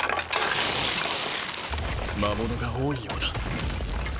魔物が多いようだ。